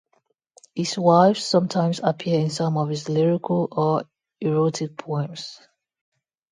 His wives sometimes appear in some of his lyrical or erotic poems.